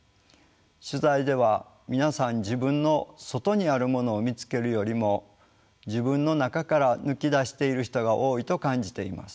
取材では皆さん自分の外にあるものを見つけるよりも自分の中から抜き出している人が多いと感じています。